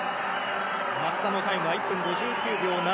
増田のタイムは１分５９秒７０。